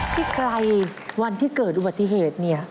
ที่ไกลวันที่เกิดอุบัติเหตุเนี่ย